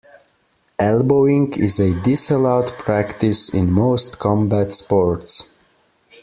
Elbowing is a disallowed practice in most combat sports.